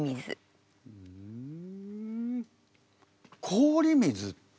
氷水って？